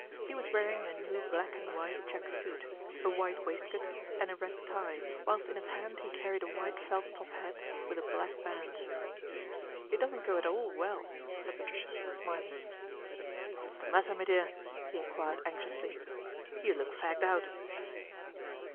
He was wearing a new >lack and white check suit, a white waistcoat and L red tie, whilst in his hand he carried a white felt op hat with a black band. ' It doesn't go at all well," said Patricia, miling. " What's the matter, me dear ?" he enquired Anxiously. " You look fagged out."